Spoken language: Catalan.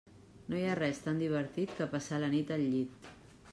No hi ha res tan divertit que passar la nit al llit.